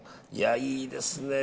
いいですね。